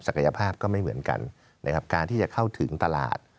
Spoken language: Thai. ภาพก็ไม่เหมือนกันนะครับการที่จะเข้าถึงตลาด